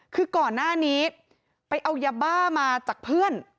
คือก่อนหน้านี้ไปเอายาบ้ามาจากเพื่อน